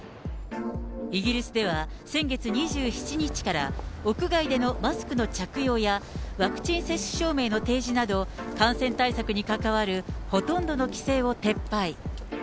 イギリスでは先月２７日から、屋外でのマスクの着用や、ワクチン接種証明の提示など、感染対策に関わるほとんどの規制を撤廃。